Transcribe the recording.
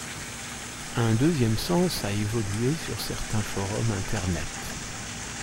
Un deuxième sens a évolué sur certains forums Internet.